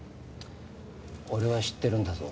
俺は知ってるんだぞ。